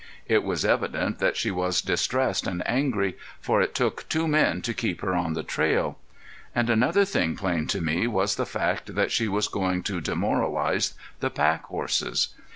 It was evident that she was distressed and angry, for it took two men to keep her in the trail. And another thing plain to me was the fact that she was going to demoralize the pack horses.